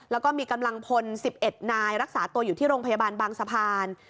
แล้วก็มีกำลังพล๑๑นายรักษาตัวอยู่ที่โรงพยาบาลบางสะพาน